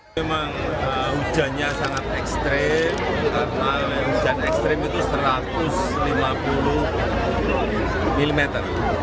tidak ada yang jadul enam belas meter